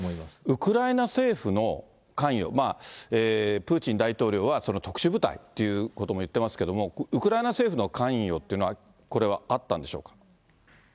ウクライナ政府の関与、プーチン大統領はその特殊部隊ということも言ってますけども、ウクライナ政府の関与っていうのは、これはあったんでしょうか。